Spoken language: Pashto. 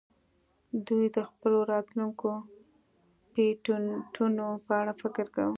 دوی د خپلو راتلونکو پیټینټونو په اړه فکر کاوه